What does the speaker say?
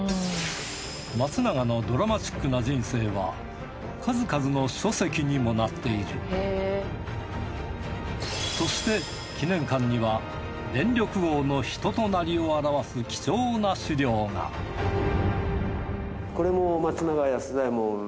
松永のドラマチックな人生は数々の書籍にもなっているそして記念館には電力王の人となりを表す貴重な史料がこれも。